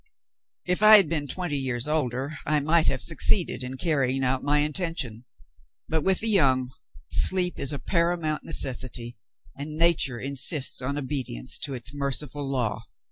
If I had been twenty years older, I might have succeeded in carrying out my intention. But, with the young, sleep is a paramount necessity, and nature insists on obedience to its merciful law.